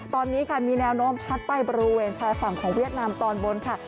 ตอนนี้ค่ะมีแนวโน้มพัดไปบริเวณชายฝั่งของเวียดนามตอนบนค่ะ